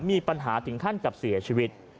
มีปัญหาถึงขั้นกับเสียชีวิต